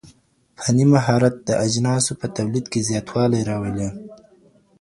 فني مهارت د اجناسو په توليد کي زياتوالی راولي.